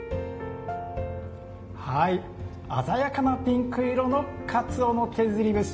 鮮やかなピンク色のかつおの削り節。